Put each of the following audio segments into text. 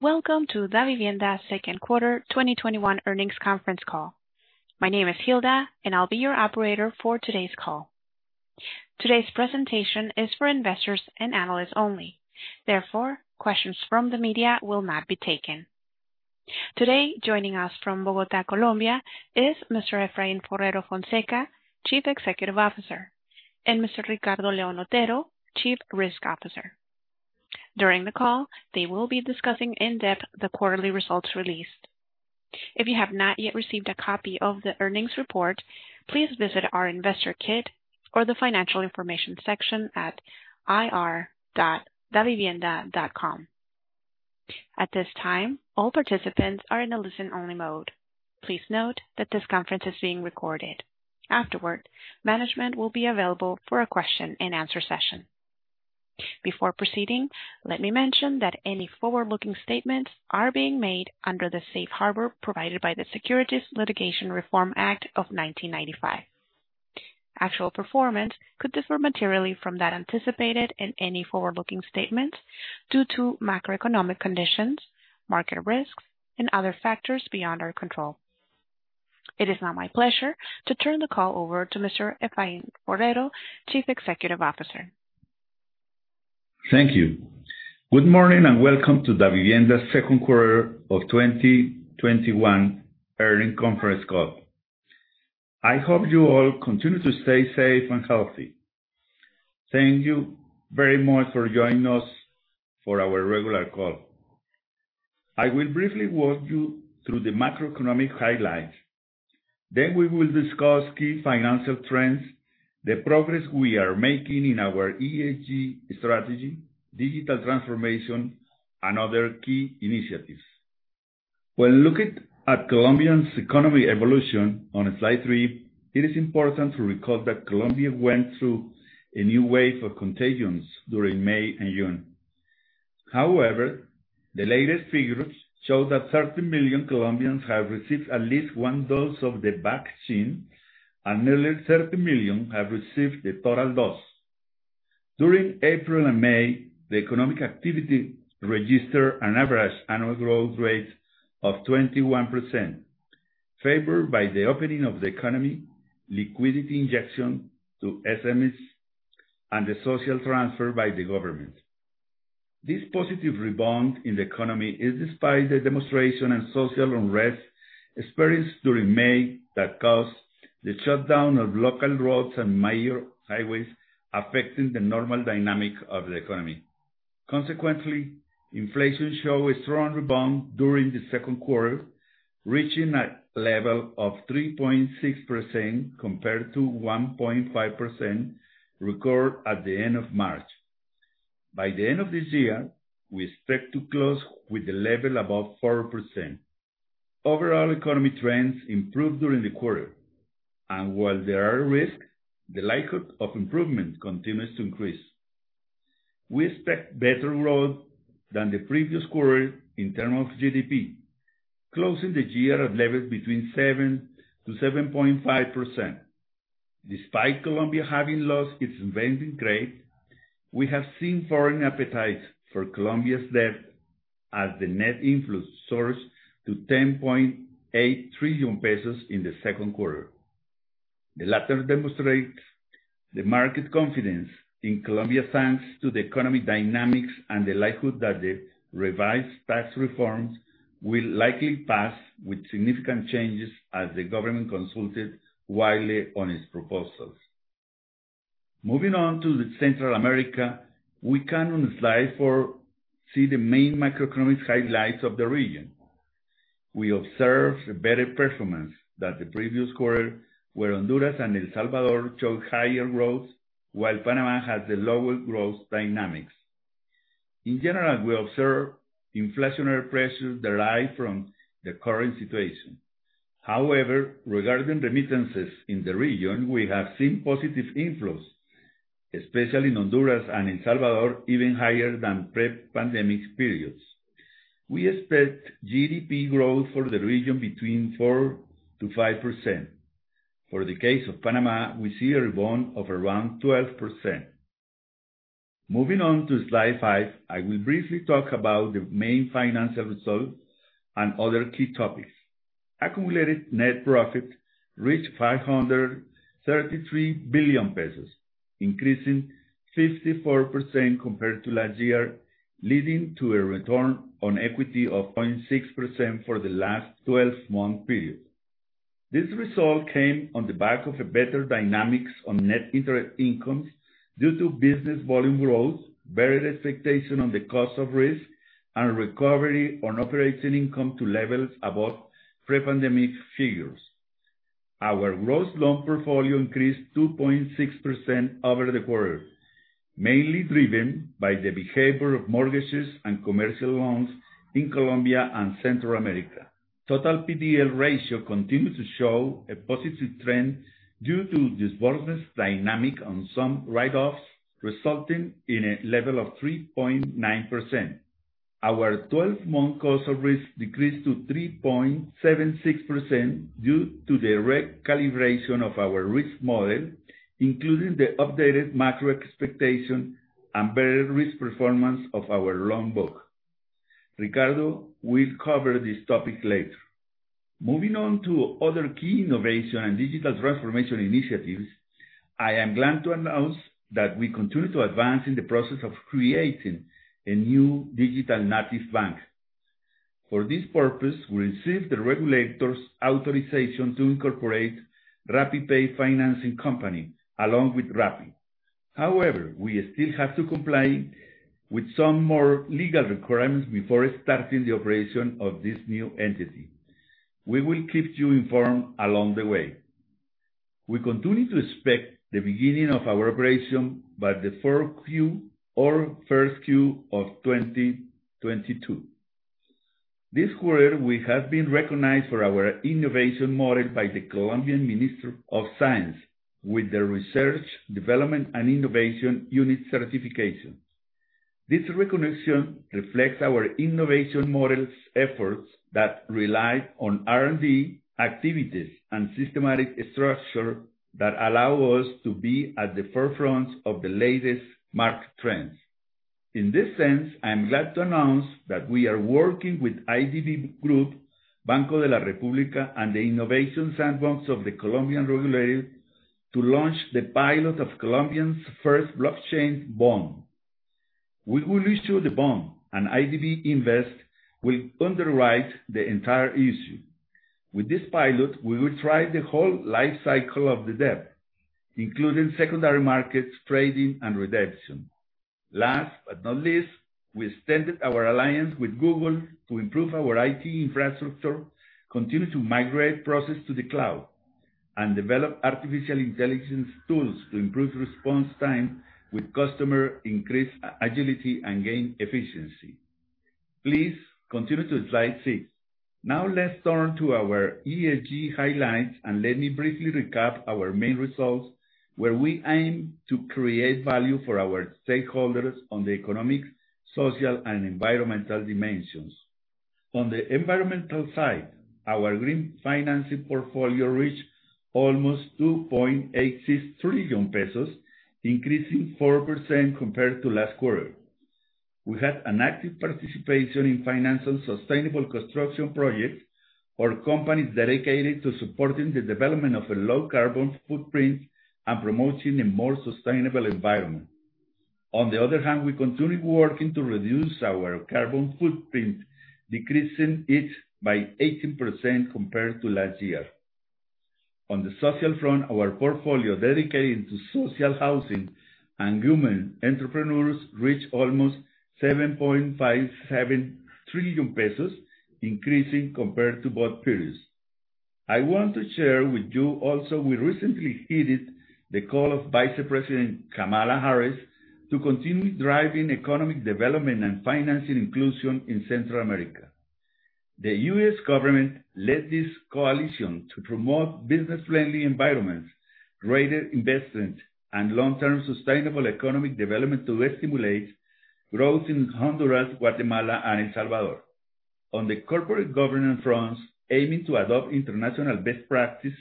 Welcome to Davivienda's second quarter 2021 earnings conference call. My name is Hilda, and I'll be your operator for today's call. Today's presentation is for investors and analysts only. Therefore, questions from the media will not be taken. Today, joining us from Bogotá, Colombia, is Mr. Efraín Forero Fonseca, Chief Executive Officer, and Mr. Ricardo León Otero, Chief Risk Officer. During the call, they will be discussing in depth the quarterly results released. If you have not yet received a copy of the earnings report, please visit our investor kit or the financial information section at ir.davivienda.com. At this time, all participants are in a listen-only mode. Please note that this conference is being recorded. Afterward, management will be available for a question and answer session. Before proceeding, let me mention that any forward-looking statements are being made under the Safe Harbor provided by the Private Securities Litigation Reform Act of 1995. Actual performance could differ materially from that anticipated in any forward-looking statements due to macroeconomic conditions, market risks, and other factors beyond our control. It is now my pleasure to turn the call over to Mr. Efraín Forero, Chief Executive Officer. Thank you. Good morning, and welcome to Davivienda's second quarter of 2021 earnings conference call. I hope you all continue to stay safe and healthy. Thank you very much for joining us for our regular call. I will briefly walk you through the macroeconomic highlights, then we will discuss key financial trends, the progress we are making in our ESG strategy, digital transformation, and other key initiatives. When looking at Colombia's economy evolution on slide three, it is important to recall that Colombia went through a new wave of contagions during May and June. However, the latest figures show that 30 million Colombians have received at least one dose of the vaccine, and nearly 30 million have received the total dose. During April and May, the economic activity registered an average annual growth rate of 21%, favored by the opening of the economy, liquidity injection to SMEs, and the social transfer by the government. This positive rebound in the economy is despite the demonstration and social unrest experienced during May that caused the shutdown of local roads and major highways, affecting the normal dynamic of the economy. Consequently, inflation show a strong rebound during the second quarter, reaching a level of 3.6% compared to 1.5% recorded at the end of March. By the end of this year, we expect to close with the level above 4%. Overall economy trends improved during the quarter, and while there are risks, the likelihood of improvement continues to increase. We expect better growth than the previous quarter in terms of GDP, closing the year at levels between 7%-7.5%. Despite Colombia having lost its investment grade, we have seen foreign appetite for Colombia's debt as the net inflows rose to COP 10.8 trillion in the second quarter. The latter demonstrates the market confidence in Colombia, thanks to the economic dynamics and the likelihood that the revised tax reforms will likely pass with significant changes as the government consulted widely on its proposals. Moving on to Central America, we can on slide four see the main macroeconomic highlights of the region. We observed a better performance than the previous quarter, where Honduras and El Salvador showed higher growth, while Panama has the lower growth dynamics. In general, we observe inflationary pressures derive from the current situation. However, regarding remittances in the region, we have seen positive inflows, especially in Honduras and El Salvador, even higher than pre-pandemic periods. We expect GDP growth for the region between 4%-5%. For the case of Panama, we see a rebound of around 12%. Moving on to slide five, I will briefly talk about the main financial results and other key topics. Accumulated net profit reached COP 533 billion, increasing 54% compared to last year, leading to a return on equity of 0.6% for the last 12-month period. This result came on the back of a better dynamics on net interest income due to business volume growth, better expectation on the cost of risk, and recovery on operating income to levels above pre-pandemic figures. Our gross loan portfolio increased 2.6% over the quarter, mainly driven by the behavior of mortgages and commercial loans in Colombia and Central America. Total PDL ratio continued to show a positive trend due to disbursements dynamic on some write-offs, resulting in a level of 3.9%. Our 12-month cost of risk decreased to 3.76% due to the recalibration of our risk model, including the updated macro expectation and better risk performance of our loan book. Ricardo will cover this topic later. Moving on to other key innovation and digital transformation initiatives, I am glad to announce that we continue to advance in the process of creating a new digital-native bank. For this purpose, we received the regulator's authorization to incorporate RappiPay financing company, along with Rappi. We still have to comply with some more legal requirements before starting the operation of this new entity. We will keep you informed along the way. We continue to expect the beginning of our operation by the fourth Q or first Q of 2022. This quarter, we have been recognized for our innovation model by the Colombian Minister of Science with the Research, Development, and Innovation Unit certification. This recognition reflects our innovation model's efforts that rely on R&D activities and systematic structure that allow us to be at the forefront of the latest market trends. In this sense, I am glad to announce that we are working with IDB Group, Banco de la República, and the innovation sandbox of the Colombian regulator to launch the pilot of Colombia's first blockchain bond. We will issue the bond, and IDB Invest will underwrite the entire issue. With this pilot, we will try the whole life cycle of the debt, including secondary markets, trading, and redemption. Last not least, we extended our alliance with Google to improve our IT infrastructure, continue to migrate processes to the cloud, and develop artificial intelligence tools to improve response time with customers, increase agility, and gain efficiency. Please continue to slide six. Let's turn to our ESG highlights. Let me briefly recap our main results, where we aim to create value for our stakeholders on the economic, social, and environmental dimensions. On the environmental side, our green financing portfolio reached almost COP 2.86 trillion, increasing 4% compared to last quarter. We had an active participation in financing sustainable construction projects or companies dedicated to supporting the development of a low carbon footprint and promoting a more sustainable environment. On the other hand, we continue working to reduce our carbon footprint, decreasing it by 18% compared to last year. On the social front, our portfolio dedicated to social housing and women entrepreneurs reached almost COP 7.57 trillion, increasing compared to both periods. I want to share with you also, we recently heeded the call of Vice President Kamala Harris to continue driving economic development and financing inclusion in Central America. The U.S. government led this coalition to promote business-friendly environments, greater investment, and long-term sustainable economic development to stimulate growth in Honduras, Guatemala, and El Salvador. On the corporate governance front, aiming to adopt international best practice,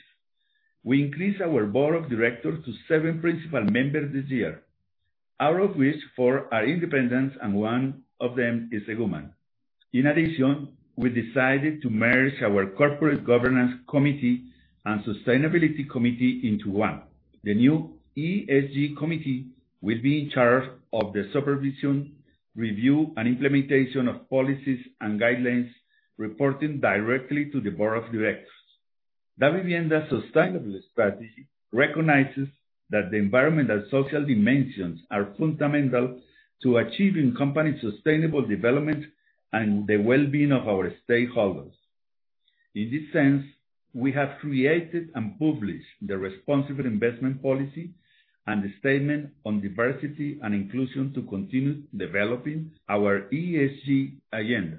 we increased our board of directors to seven principal members this year, out of which four are independent and one of them is a woman. In addition, we decided to merge our corporate governance committee and sustainability committee into one. The new ESG committee will be in charge of the supervision, review, and implementation of policies and guidelines, reporting directly to the board of directors. Davivienda's sustainability strategy recognizes that the environmental social dimensions are fundamental to achieving company sustainable development and the well-being of our stakeholders. In this sense, we have created and published the responsible investment policy and the statement on diversity and inclusion to continue developing our ESG agenda.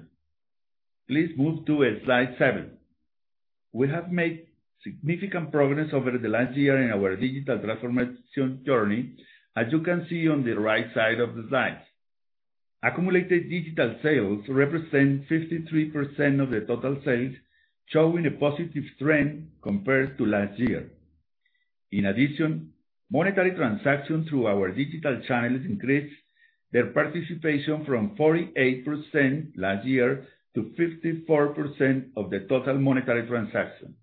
Please move to slide seven. We have made significant progress over the last year in our digital transformation journey, as you can see on the right side of the slide. Accumulated digital sales represent 53% of the total sales, showing a positive trend compared to last year. In addition, monetary transactions through our digital channels increased their participation from 48% last year to 54% of the total monetary transactions.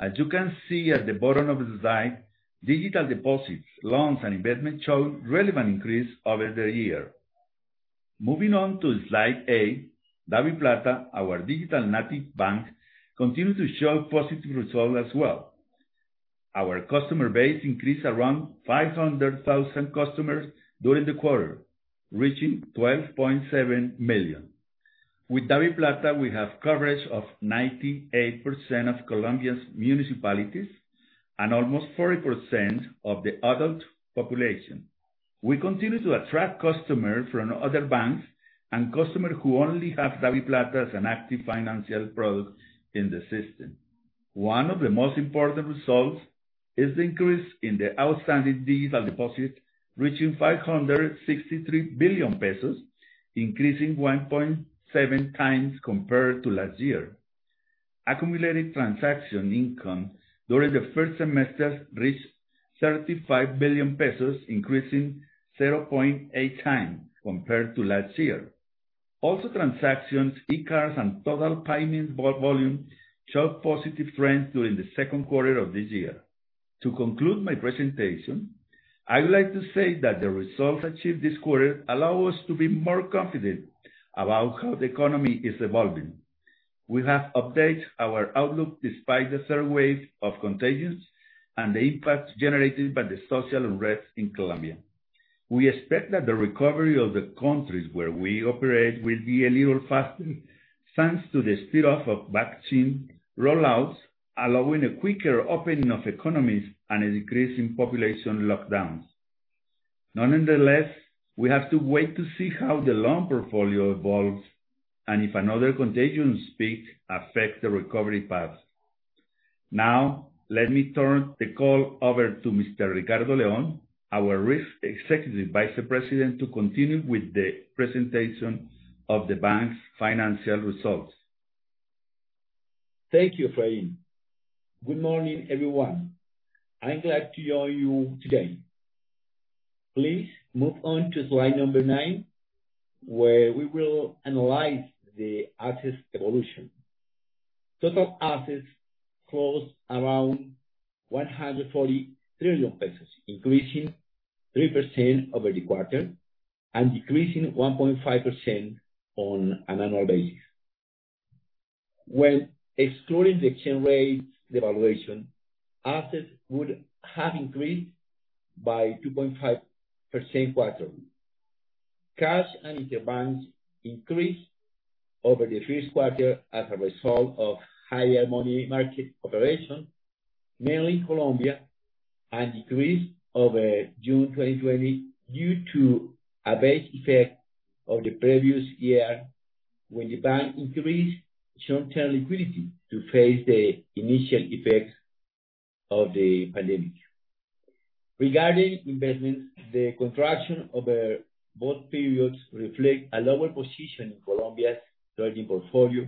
As you can see at the bottom of the slide, digital deposits, loans, and investments show relevant increase over the year. Moving on to slide eight, DaviPlata, our digital-native bank, continue to show positive results as well. Our customer base increased around 500,000 customers during the quarter, reaching 12.7 million. With DaviPlata, we have coverage of 98% of Colombia's municipalities and almost 40% of the adult population. We continue to attract customers from other banks and customers who only have DaviPlata as an active financial product in the system. One of the most important results is the increase in the outstanding digital deposit, reaching COP 563 billion, increasing 1.7x compared to last year. Accumulated transaction income during the first semester reached COP 35 billion, increasing 0.8x compared to last year. Transactions, e-cards, and total payment volume showed positive trends during the second quarter of this year. To conclude my presentation, I would like to say that the results achieved this quarter allow us to be more confident about how the economy is evolving. We have updated our outlook despite the third wave of contagions and the impact generated by the social unrest in Colombia. We expect that the recovery of the countries where we operate will be a little faster, thanks to the speed of vaccine rollouts, allowing a quicker opening of economies and a decrease in population lockdowns. Nonetheless, we have to wait to see how the loan portfolio evolves and if another contagion spike affects the recovery path. Now, let me turn the call over to Mr. Ricardo León, our Risk Executive Vice President, to continue with the presentation of the bank's financial results. Thank you, Efraín. Good morning, everyone. I'm glad to join you today. Please move on to slide number nine, where we will analyze the assets evolution. Total assets closed around COP 140 trillion, increasing 3% over the quarter and decreasing 1.5% on an annual basis. When excluding the exchange rate devaluation, assets would have increased by 2.5% quarterly. Cash and interbank increased over the first quarter as a result of higher money market operation, mainly in Colombia, and increased over June 2020 due to a base effect of the previous year when the bank increased short-term liquidity to face the initial effects of the pandemic. Regarding investments, the contraction over both periods reflect a lower position in Colombia's trading portfolio,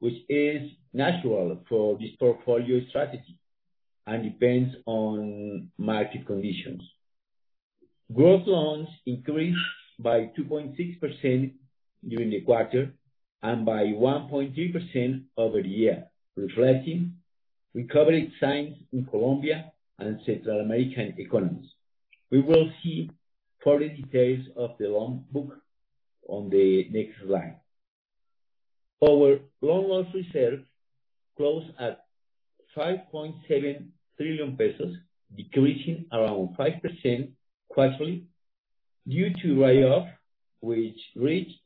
which is natural for this portfolio strategy and depends on market conditions. Gross loans increased by 2.6% during the quarter and by 1.3% over the year, reflecting recovery signs in Colombia and Central American economies. We will see further details of the loan book on the next slide. Our loan loss reserves closed at COP 5.7 trillion, decreasing around 5% quarterly due to write-off, which reached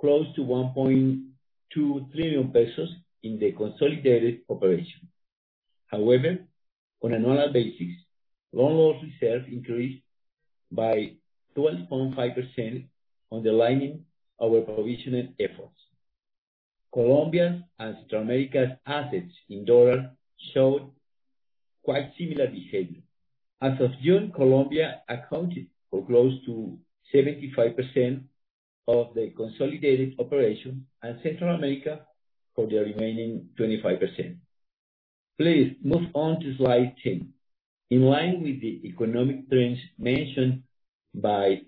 close to COP 1.2 trillion in the consolidated operation. However, on an annual basis, loan loss reserves increased by 12.5%, underlining our provisioning efforts. Colombia's and Central America's assets in dollars showed quite similar behavior. As of June, Colombia accounted for close to 75% of the consolidated operation and Central America for the remaining 25%. Please move on to slide 10. In line with the economic trends mentioned by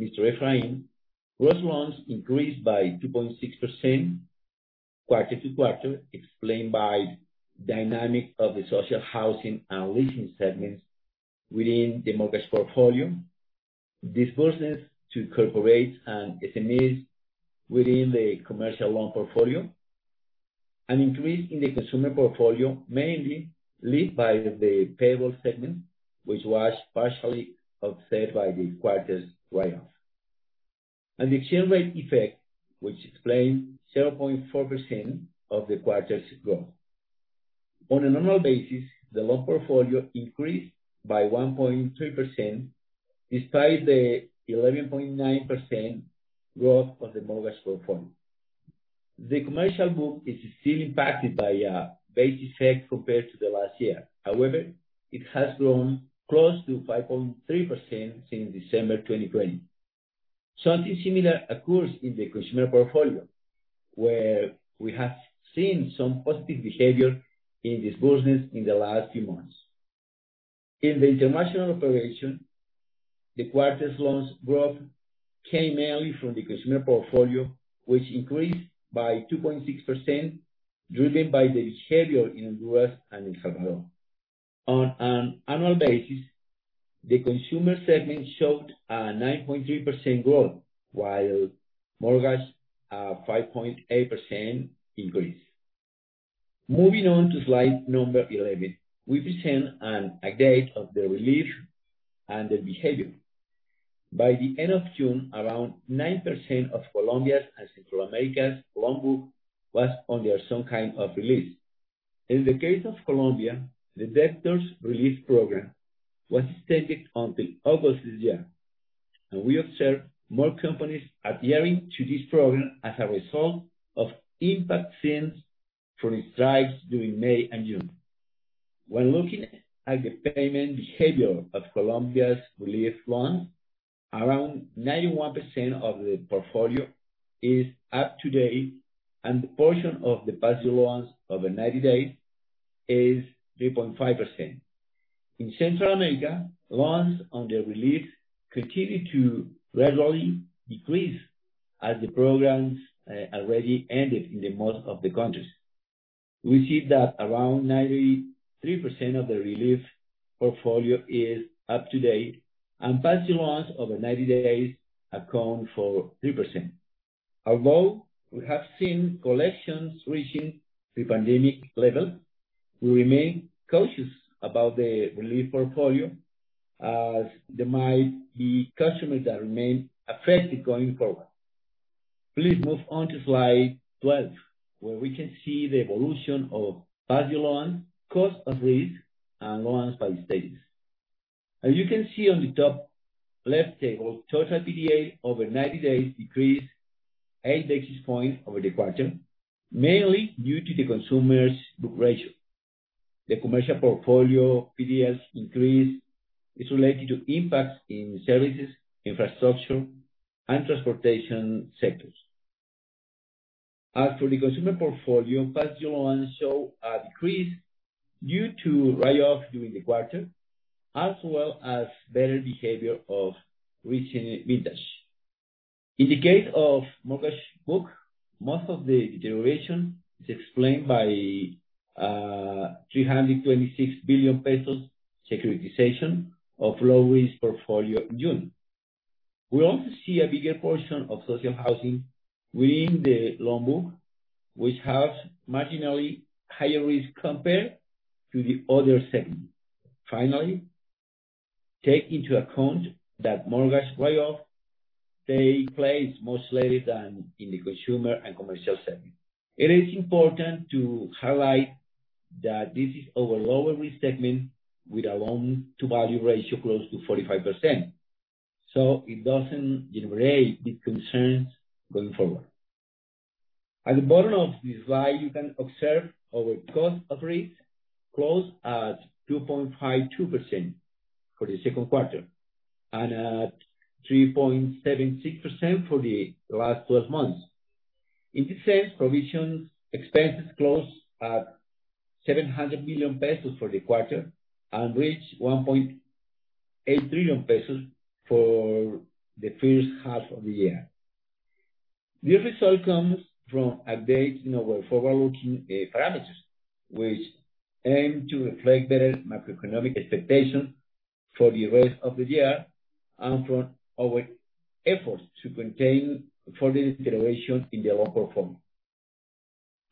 Mr. Efraín, gross loans increased by 2.6% quarter to quarter, explained by dynamic of the social housing and leasing segments within the mortgage portfolio. Disbursements to corporates and SMEs within the commercial loan portfolio, an increase in the consumer portfolio mainly led by the payable segment, which was partially offset by the quarter's write-off. The exchange rate effect, which explained 0.4% of the quarter's growth. On a normal basis, the loan portfolio increased by 1.3%, despite the 11.9% growth of the mortgage portfolio. The commercial book is still impacted by a base effect compared to the last year. However, it has grown close to 5.3% since December 2020. Something similar occurs in the consumer portfolio, where we have seen some positive behavior in disbursements in the last few months. In the international operation, the quarter's loans growth came mainly from the consumer portfolio, which increased by 2.6%, driven by the behavior in Honduras and El Salvador. On an annual basis, the consumer segment showed a 9.3% growth, while mortgage, a 5.8% increase. Moving on to slide number 11, we present an update of the relief and the behavior. By the end of June, around 9% of Colombia's and Central America's loan book was under some kind of relief. In the case of Colombia, the debtors' relief program was extended until August this year, and we observed more companies adhering to this program as a result of impact seen from strikes during May and June. When looking at the payment behavior of Colombia's relief loans, around 91% of the portfolio is up to date, and the portion of the past-due loans over 90 days is 3.5%. In Central America, loans under relief continue to gradually decrease as the programs already ended in most of the countries. We see that around 93% of the relief portfolio is up to date, and past-due loans over 90 days account for 3%. Although we have seen collections reaching pre-pandemic levels, we remain cautious about the relief portfolio, as there might be customers that remain affected going forward. Please move on to slide 12, where we can see the evolution of past-due loans, cost of risk, and loans by status. As you can see on the top left table, total PDL over 90 days decreased 8 basis points over the quarter, mainly due to the consumers' book ratio. The commercial portfolio PDLs increase is related to impacts in services, infrastructure, and transportation sectors. As for the consumer portfolio, past-due loans show a decrease due to write-off during the quarter, as well as better behavior of recent vintage. In the case of mortgage book, most of the deterioration is explained by COP 326 billion securitization of low-risk portfolio in June. We also see a bigger portion of social housing within the loan book, which has marginally higher risk compared to the other segment. Finally, take into account that mortgage write-off take place much later than in the consumer and commercial segment. It is important to highlight that this is our lower risk segment with our loan-to-value ratio close to 45%, so it doesn't generate big concerns going forward. At the bottom of the slide, you can observe our cost of risk closed at 2.52% for the second quarter and at 3.76% for the last 12 months. In the same provision, expenses closed at COP 700 million for the quarter and reached COP 1.8 trillion for the first half of the year. This result comes from updates in our forward-looking parameters, which aim to reflect better macroeconomic expectations for the rest of the year and from our efforts to contain further deterioration in the loan performance.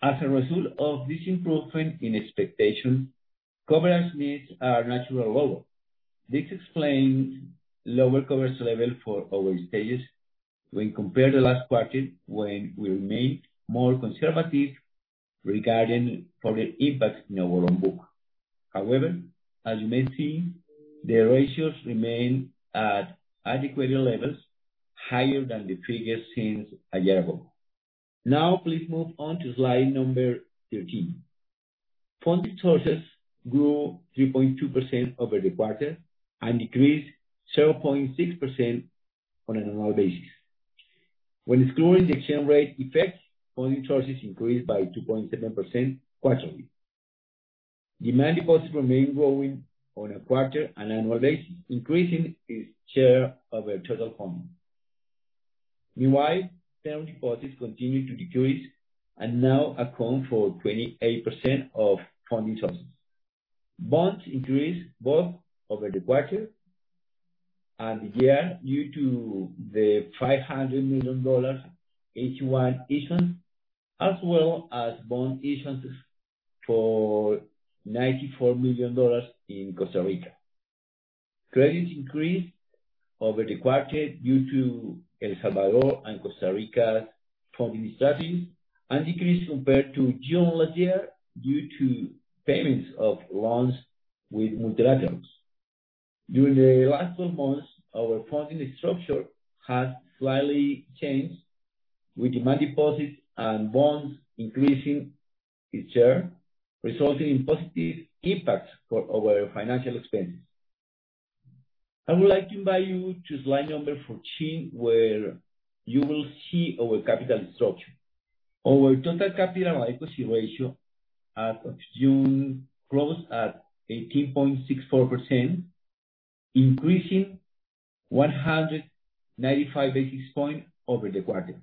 As a result of this improvement in expectations, coverage needs are naturally lower. This explains lower coverage level for our stages when compared to last quarter, when we remained more conservative regarding further impact in our loan book. As you may see, the ratios remain at adequate levels, higher than the figures since one year ago. Please move on to slide number 13. Funding sources grew 3.2% over the quarter and decreased 7.6% on an annual basis. Excluding the exchange rate effect, funding sources increased by 2.7% quarterly. Demand deposits remain growing on a quarter- and annual basis, increasing its share over total funding. Meanwhile, term deposits continue to decrease and now account for 28% of funding sources. Bonds increased both over the quarter and the year due to the $500 million AT1 issuance, as well as bond issuance for $94 million in Costa Rica. Credits increased over the quarter due to El Salvador and Costa Rica funding strategies and decreased compared to June last year due to payments of loans with multilaterals. During the last 12 months, our funding structure has slightly changed, with demand deposits and bonds increasing its share, resulting in positive impacts for our financial expenses. I would like to invite you to slide number 14, where you will see our capital structure. Our total capital and equity ratio as of June closed at 18.64%, increasing 195 basis points over the quarter.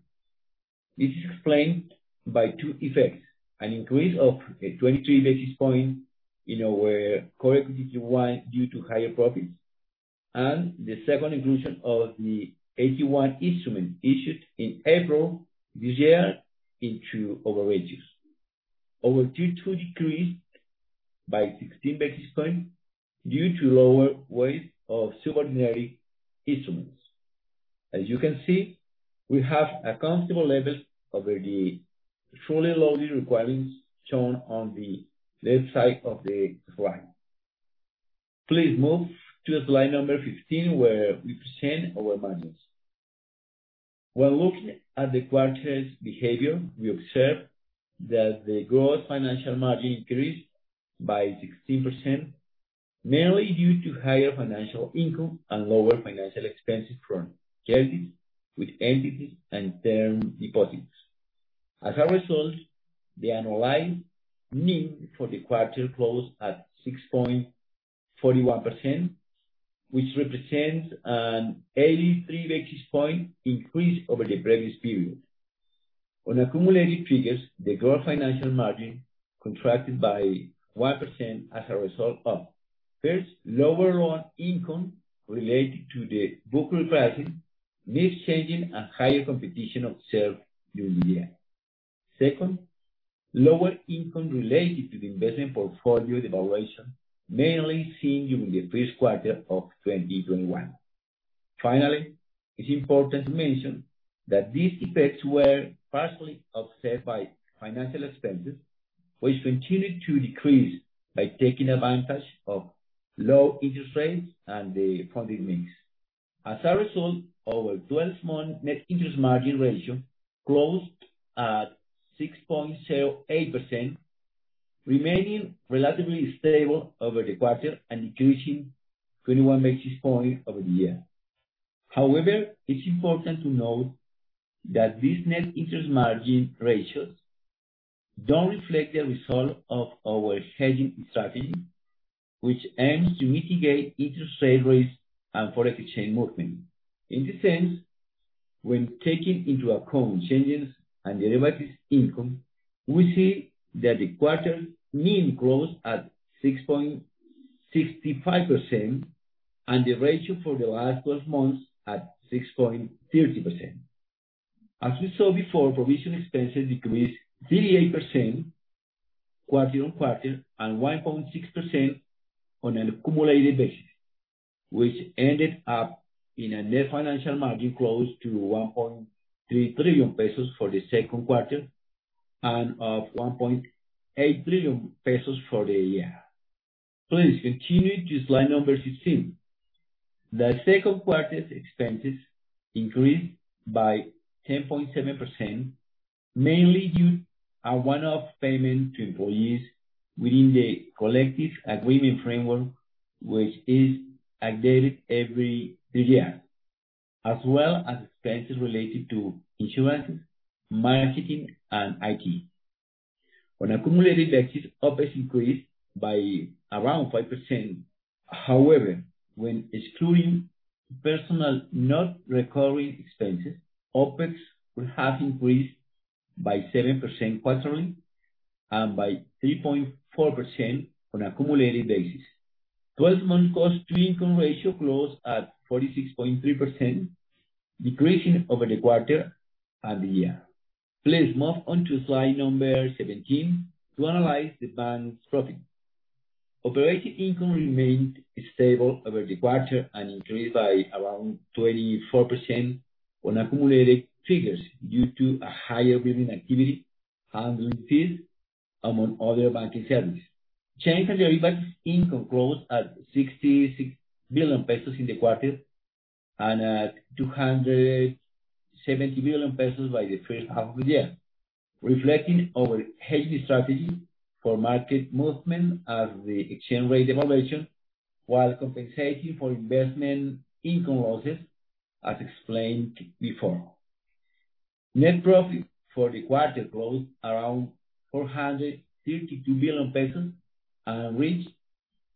This is explained by two effects, an increase of 23 basis points in our Core CET1 due to higher profits, and the second inclusion of the AT1 instrument issued in April this year into our ratios. Our Tier 2 decreased by 16 basis points due to lower weight of subordinated instruments. As you can see, we have a comfortable level over the fully loaded requirements shown on the left side of the slide. Please move to slide number 15, where we present our margins. When looking at the quarter's behavior, we observe that the growth financial margin increased by 16%, mainly due to higher financial income and lower financial expenses from securities with entities and term deposits. As a result, the annualized NIM for the quarter closed at 6.41%, which represents an 83 basis point increase over the previous period. On accumulated figures, the growth financial margin contracted by 1% as a result of, first, lower loan income related to the book repricing, mix changing, and higher competition observed during the year. Second, lower income related to the investment portfolio devaluation, mainly seen during the first quarter of 2021. Finally, it is important to mention that these effects were partially offset by financial expenses, which continued to decrease by taking advantage of low interest rates and the funding mix. As a result, our 12-month net interest margin ratio closed at 6.08%, remaining relatively stable over the quarter and increasing 21 basis points over the year. However, it is important to note that these net interest margin ratios do not reflect the result of our hedging strategy, which aims to mitigate interest rate risk and foreign exchange movement. In this sense, when taking into account changes and derivative income, we see that the quarter NIM closed at 6.65% and the ratio for the last 12 months at 6.30%. As we saw before, provision expenses decreased 38% quarter-on-quarter and 1.6% on an accumulated basis, which ended up in a net financial margin close to COP 1.3 trillion for the second quarter and of COP 1.8 trillion for the year. Please continue to slide number 16. The second quarter's expenses increased by 10.7%, mainly due a one-off payment to employees within the collective agreement framework, which is updated every three years, as well as expenses related to insurances, marketing, and IT. On accumulated basis, OpEx increased by around 5%. When excluding personal non-recurring expenses, OpEx would have increased by 7% quarterly and by 3.4% on accumulated basis. 12-month cost-to-income ratio closed at 46.3%, decreasing over the quarter and the year. Please move on to slide number 17 to analyze the bank's profit. Operating income remained stable over the quarter and increased by around 24% on accumulated figures due to a higher billing activity, handling fees, among other banking services. Change in derivative income growth at COP 66 billion in the quarter and at COP 270 billion by the first half of the year, reflecting our hedging strategy for market movement as the exchange rate devaluation, while compensating for investment income losses as explained before. Net profit for the quarter closed around COP 432 billion and reached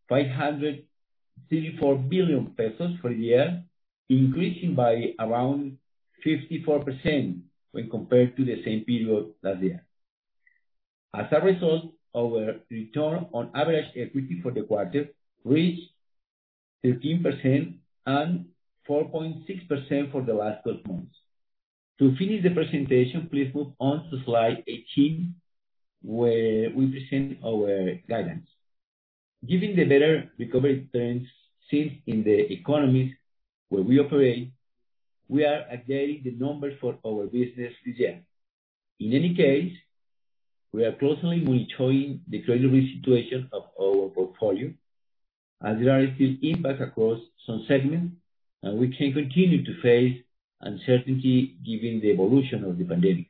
COP 534 billion for the year, increasing by around 54% when compared to the same period last year. As a result, our return on average equity for the quarter reached 13% and 4.6% for the last 12 months. To finish the presentation, please move on to slide 18, where we present our guidance. Given the better recovery trends seen in the economies where we operate, we are updating the numbers for our business this year. In any case, we are closely monitoring the credit risk situation of our portfolio as there are still impact across some segments, and we can continue to face uncertainty given the evolution of the pandemic.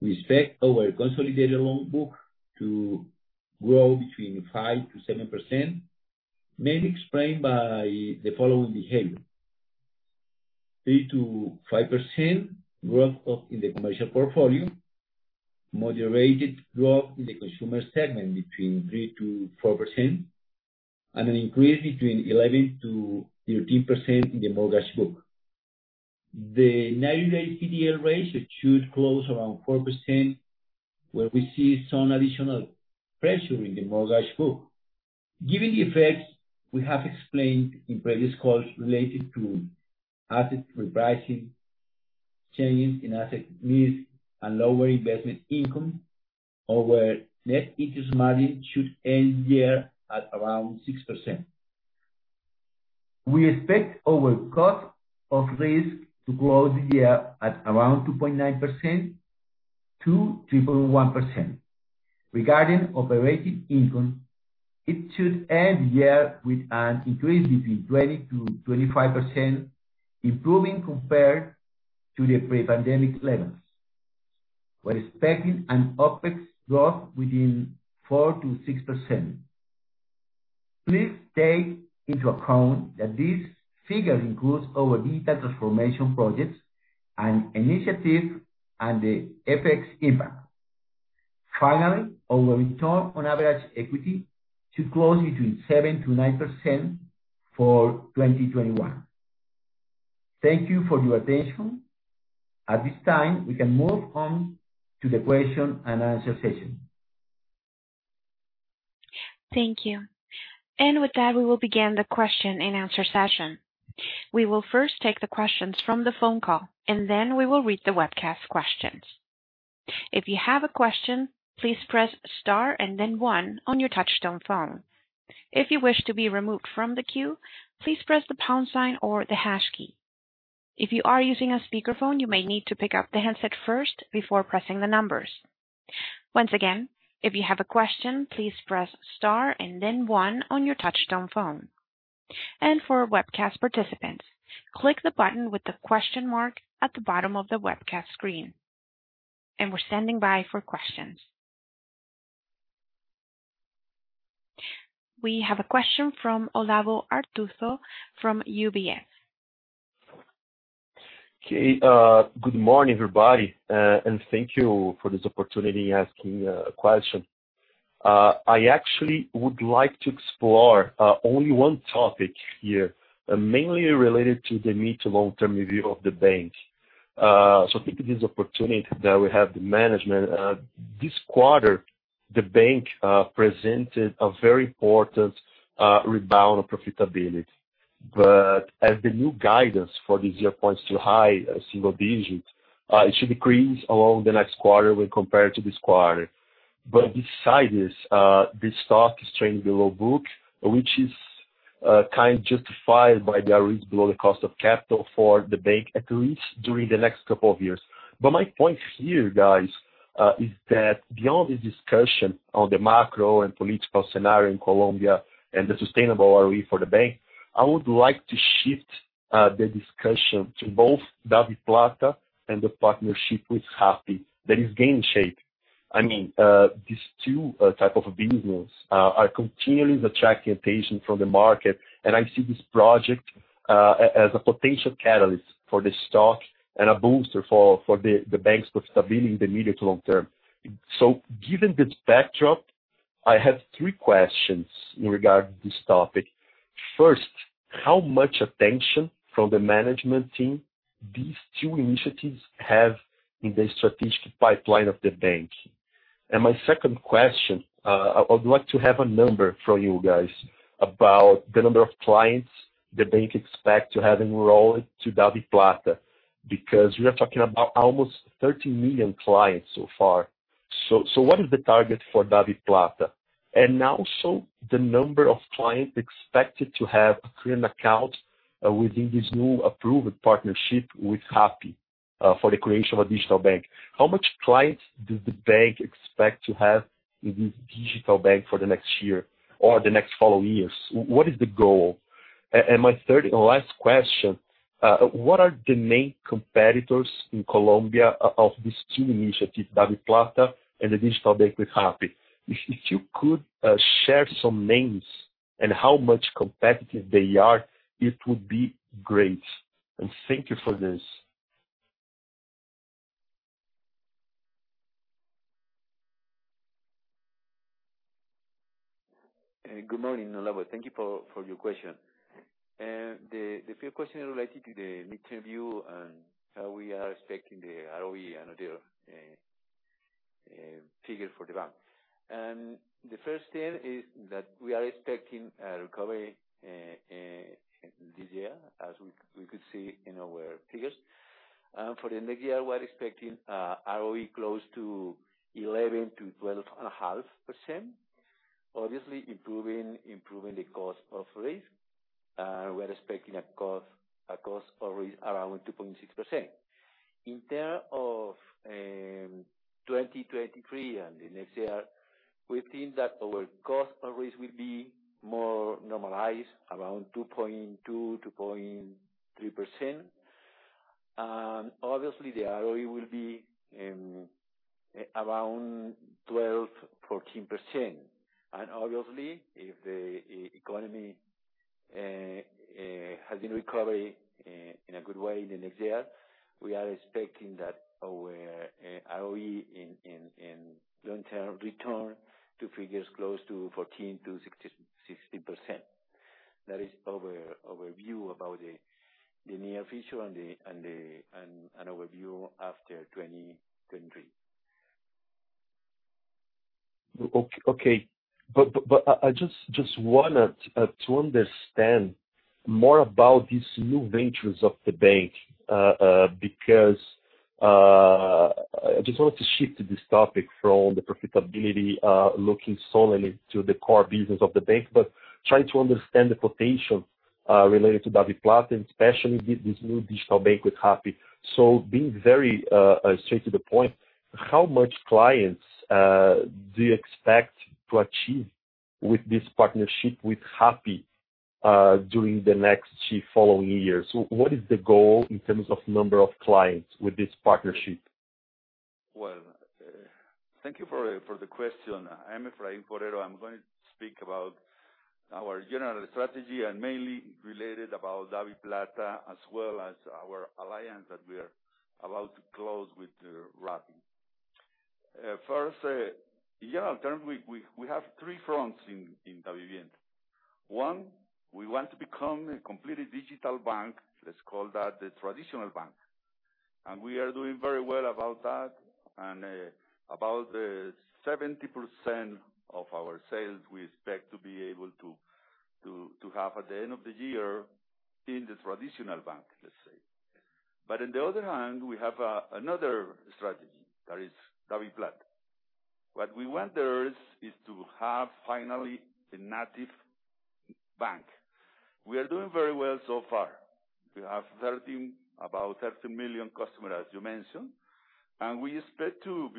We expect our consolidated loan book to grow between 5%-7%, mainly explained by the following behavior: 3%-5% growth of the commercial portfolio, moderated growth in the consumer segment between 3%-4%, and an increase between 11%-13% in the mortgage book. The 90-day PDL ratio should close around 4%, where we see some additional pressure in the mortgage book. Given the effects we have explained in previous calls related to asset repricing, changes in asset mix, and lower investment income, our net interest margin should end the year at around 6%. We expect our cost of risk to grow this year at around 2.9% to 111%. Regarding operating income, it should end the year with an increase between 20%-25%, improving compared to the pre-pandemic levels. We're expecting an OpEx growth within 4%-6%. Please take into account that this figure includes our digital transformation projects and initiative and the FX impact. Finally, our return on average equity should close between 7%-9% for 2021. Thank you for your attention. At this time, we can move on to the question and answer session. Thank you. With that, we will begin the question and answer session. We will first take the questions from the phone call, and then we will read the webcast questions. If you have a question, please press star and then One on your touchtone phone. If you wish to be removed from the queue, please press the pound sign or the hash key. If you are using a speakerphone, you may need to pick up the handset first before pressing the numbers. Once again, if you have a question, please press star and then One on your touchtone phone. For webcast participants, click the button with the question mark at the bottom of the webcast screen. We're standing by for questions. We have a question from Olavo Arthuzo from UBS. Okay. Good morning, everybody, and thank you for this opportunity asking a question. I actually would like to explore only one topic here, mainly related to the mid to long-term review of the bank. Taking this opportunity that we have the management. This quarter, the bank presented a very important rebound of profitability. As the new guidance for this year points to high single digits, it should decrease along the next quarter when compared to this quarter. Besides this, the stock is trading below book, which is kind of justified by the ROE below the cost of capital for the bank, at least during the next couple of years. My point here, guys, is that beyond the discussion on the macro and political scenario in Colombia and the sustainable ROE for the bank, I would like to shift the discussion to both DaviPlata and the partnership with Rappi that is gaining shape. These two type of business are continually attracting attention from the market, and I see this project as a potential catalyst for the stock and a booster for the bank's profitability in the medium to long term. Given this backdrop, I have three questions in regard to this topic. First, how much attention from the management team these two initiatives have in the strategic pipeline of the bank? My second question, I would like to have a number from you guys about the number of clients the bank expect to have enrolled to DaviPlata, because we are talking about almost 13 million clients so far. What is the target for DaviPlata? Also the number of clients expected to have a current account within this new approved partnership with Rappi, for the creation of a digital bank. How much clients does the bank expect to have in this digital bank for the next year or the next following years? What is the goal? My third and last question, what are the main competitors in Colombia of these two initiatives, DaviPlata and the digital bank with Rappi? If you could share some names and how much competitive they are, it would be great. Thank you for this. Good morning, Olavo. Thank you for your question. The first question related to the mid-term review and how we are expecting the ROE and other figures for the bank. The first thing is that we are expecting a recovery this year, as we could see in our figures. For the next year, we're expecting ROE close to 11%-12.5%, obviously improving the cost of risk. We're expecting a cost of risk around 2.6%. In terms of 2023 and the next year, we think that our cost of risk will be more normalized around 2.2%, 2.3%. Obviously, the ROE will be around 12%-14%. Obviously, if the economy has been recovering in a good way in the next year, we are expecting that our ROE in long-term return to figures close to 14%-16%. That is our view about the near future and our view after 2023. I just wanted to understand more about these new ventures of the bank, because I just wanted to shift this topic from the profitability, looking solely to the core business of the bank, but trying to understand the potential related to DaviPlata, and especially with this new digital bank with Rappi. Being very straight to the point, how much clients do you expect to achieve with this partnership with Rappi during the next three following years? What is the goal in terms of number of clients with this partnership? Thank you for the question. I am Efraín Forero. I'm going to speak about our general strategy and mainly related about DaviPlata, as well as our alliance that we are about to close with Rappi. First, in general terms, we have three fronts in Davivienda. One, we want to become a completely digital bank. Let's call that the traditional bank. We are doing very well about that, and about 70% of our sales we expect to be able to have at the end of the year in the traditional bank, let's say. On the other hand, we have another strategy that is DaviPlata. What we want there is to have finally a native bank. We are doing very well so far. We have about 30 million customers, as you mentioned, and we expect to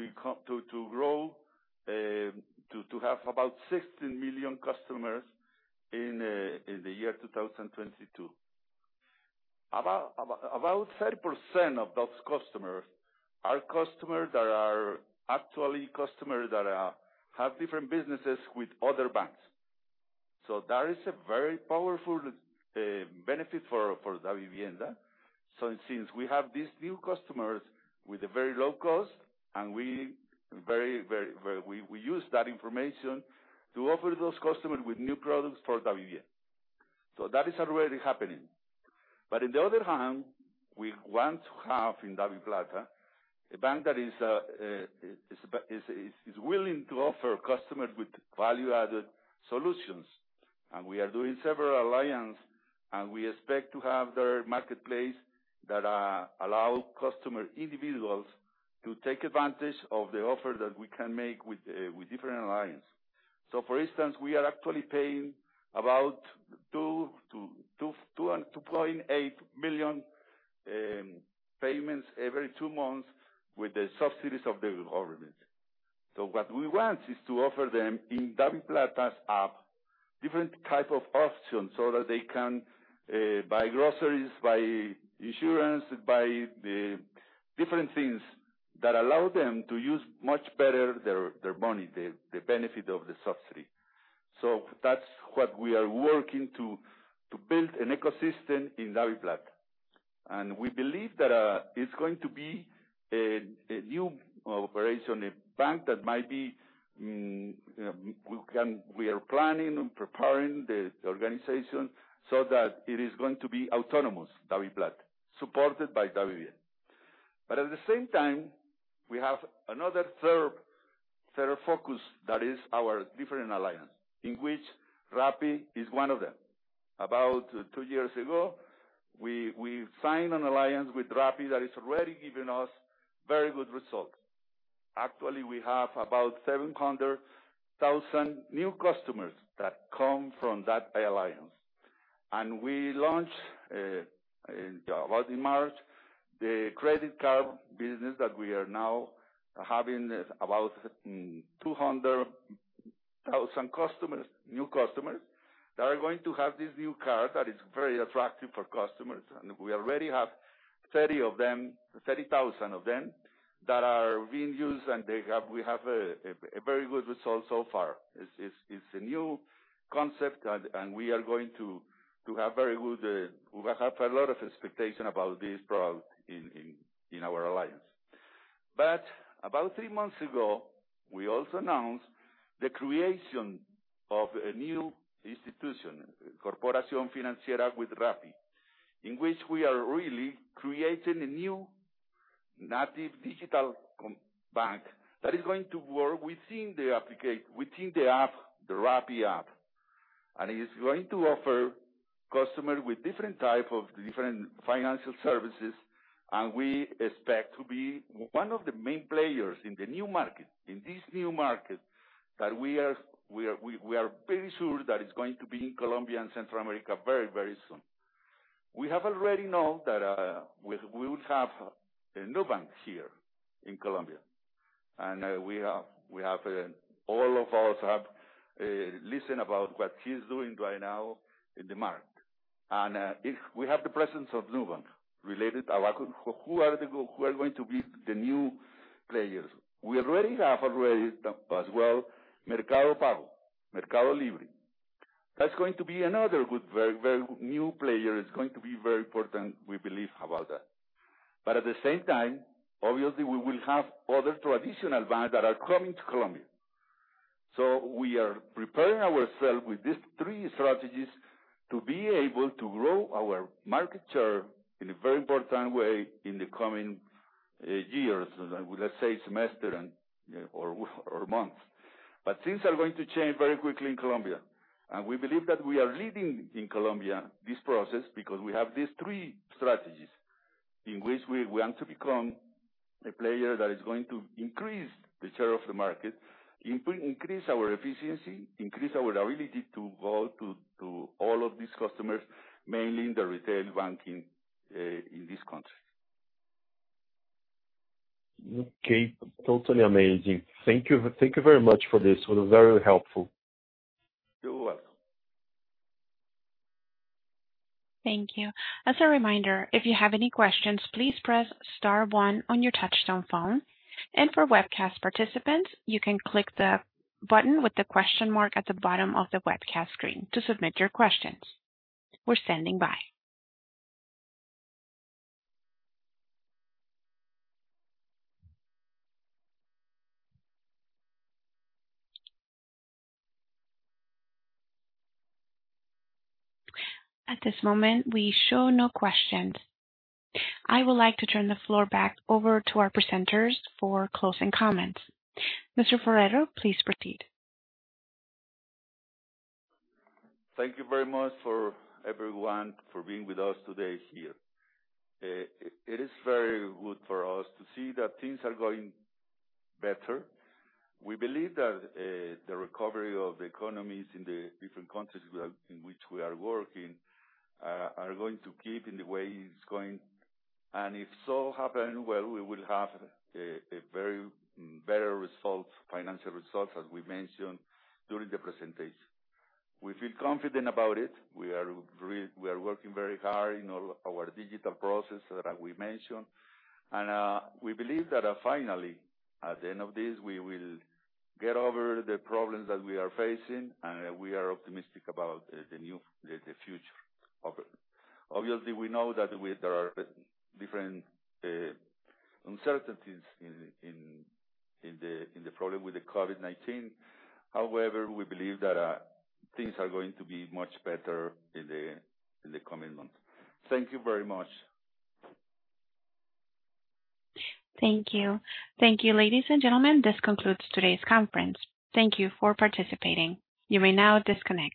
have about 60 million customers in the year 2022. About 30% of those customers are customers that actually have different businesses with other banks. That is a very powerful benefit for Davivienda. Since we have these new customers with a very low cost, and we use that information to offer those customers with new products for Davivienda. That is already happening. On the other hand, we want to have in DaviPlata, a bank that is willing to offer customers with value-added solutions. We are doing several alliance, and we expect to have their marketplace that allow customer individuals to take advantage of the offer that we can make with different alliance. For instance, we are actually paying about COP 2 million-COP 2.8 million payments every two months with the subsidies of the government. What we want is to offer them in DaviPlata's app, different type of options so that they can buy groceries, buy insurance, buy different things that allow them to use much better their money, the benefit of the subsidy. That's what we are working to build an ecosystem in DaviPlata. We believe that it's going to be a new operation, a bank that we are planning and preparing the organization so that it is going to be autonomous, DaviPlata, supported by Davivienda. At the same time, we have another third focus that is our different alliance, in which Rappi is one of them. About two years ago, we signed an alliance with Rappi that is already giving us very good result. Actually, we have about 700,000 new customers that come from that alliance. We launched, it was in March, the credit card business that we are now having about 200,000 new customers that are going to have this new card that is very attractive for customers. We already have 30,000 of them that are being used, and we have a very good result so far. It's a new concept, we have a lot of expectation about this product in our alliance. About three months ago, we also announced the creation of a new institution, Corporación Financiera with Rappi, in which we are really creating a new native digital bank that is going to work within the Rappi app. It is going to offer customers with different financial services, and we expect to be one of the main players in this new market, that we are pretty sure that it's going to be in Colombia and Central America very soon. We have already known that we would have Nubank here in Colombia. All of us have listened about what it is doing right now in the market. We have the presence of Nubank related. Who are going to be the new players? We already have as well Mercado Pago, Mercado Libre. That's going to be another very new player. It's going to be very important, we believe, about that. At the same time, obviously, we will have other traditional banks that are coming to Colombia. We are preparing ourselves with these three strategies to be able to grow our market share in a very important way in the coming years, let's say semester or months. Things are going to change very quickly in Colombia, and we believe that we are leading in Colombia this process because we have these three strategies. In which we want to become a player that is going to increase the share of the market, increase our efficiency, increase our ability to go to all of these customers, mainly in the retail banking in this country. Okay. Totally amazing. Thank you very much for this. It was very helpful. You're welcome. Thank you. As a reminder, if you have any questions, please press star one on your touchtone phone, and for webcast participants, you can click the button with the question mark at the bottom of the webcast screen to submit your questions. We are standing by. At this moment, we show no questions. I would like to turn the floor back over to our presenters for closing comments. Mr. Forero, please proceed. Thank you very much for everyone for being with us today here. It is very good for us to see that things are going better. We believe that the recovery of the economies in the different countries in which we are working are going to keep in the way it's going. If so happen, well, we will have a very better result, financial results, as we mentioned during the presentation. We feel confident about it. We are working very hard in all our digital processes that we mentioned. We believe that finally, at the end of this, we will get over the problems that we are facing, and we are optimistic about the future. Obviously, we know that there are different uncertainties in the problem with the COVID-19. However, we believe that things are going to be much better in the coming months. Thank you very much. Thank you. Thank you, ladies and gentlemen. This concludes today's conference. Thank you for participating. You may now disconnect.